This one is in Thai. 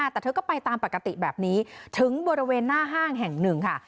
แต่เธอก็ไปตามปกติแบบนี้ถึงบริเวณหน้าห้างแห่งหนึ่งค่ะ